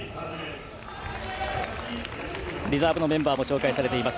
リザーブのメンバーも紹介されています。